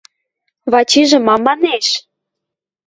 Вачижӹ мам манеш?